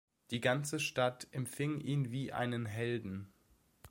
Die ganze Stadt empfing ihn wie einen Helden.